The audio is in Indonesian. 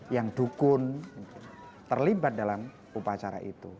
yang dukun terlibat dalam upacara itu